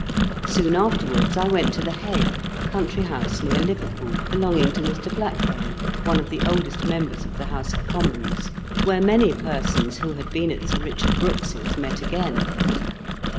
Soon afterwards I went to the Hale, a country house near Liverpool, belonging to Mr. Blackburn, one of the oldest members of the House of Commons, where many persons, who had been at Sir Richard Brookes's, met again.